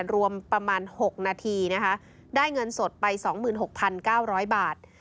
รวมประมาณ๖นาทีนะคะได้เงินสดไป๒๖๙๐๐บาท